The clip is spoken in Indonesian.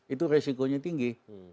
itu risikonya tinggi